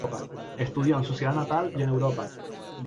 Estudió en su ciudad natal y en Europa.